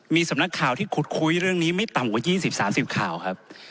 มีสำนักข่าวที่ขุดคุยเรื่องนี้ไม่ต่ำกว่า๒๐๓๐ข่าวครับ